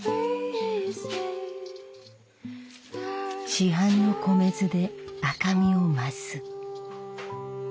市販の米酢で赤みを増す。